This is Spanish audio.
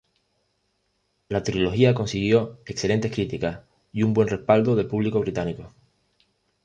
La trilogía consiguió excelentes críticas y un buen respaldo del público británico.